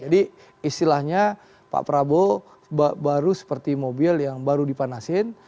jadi istilahnya pak prabowo baru seperti mobil yang baru dipanasin